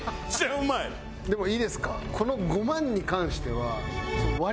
でもいいですか？